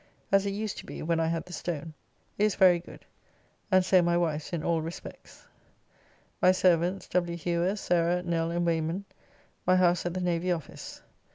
as it used to be when I had the stone) is very good, and so my wife's in all respects: my servants, W. Hewer, Sarah, Nell, and Wayneman: my house at the Navy Office.